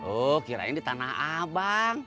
oh kirain di tanah abang